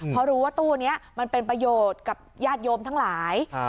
เพราะรู้ว่าตู้นี้มันเป็นประโยชน์กับญาติโยมทั้งหลาย